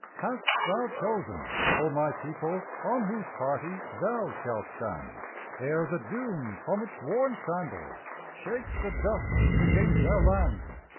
Hast thou chosen, O my people, on whose party thou shalt stand, Ere the Doom from its worn sandals shakes the dust against our land?